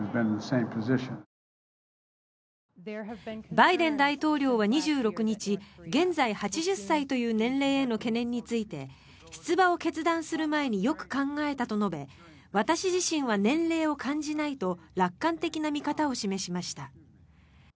バイデン大統領は２６日現在、８０歳という年齢への懸念について出馬を決断する前によく考えたと述べ私自身は年齢を感じないと楽観的な見方を示しました。